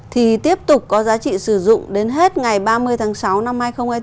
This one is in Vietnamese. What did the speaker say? thì tiếp tục có giá trị sử dụng đến hết ngày ba mươi tháng sáu năm hai nghìn hai mươi bốn